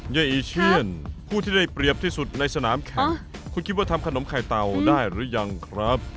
เออีเชียนผู้ที่ได้เปรียบที่สุดในสนามแข่งคุณคิดว่าทำขนมไข่เตาได้หรือยังครับ